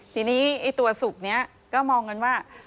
ทีนี้ไอ้ตัวสุกนี้ก็มองกันว่า